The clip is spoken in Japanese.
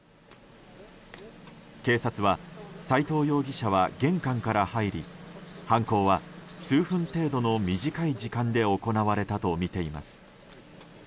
警察は斎藤容疑者は玄関から入り犯行は数分程度の短い時間で行われたとみています。